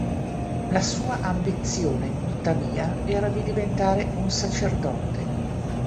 La sua ambizione, tuttavia, era di diventare un sacerdote.